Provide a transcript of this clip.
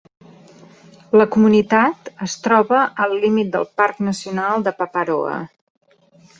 La comunitat es troba al límit del Parc Nacional de Paparoa.